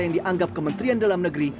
yang dianggap kementerian dalam negeri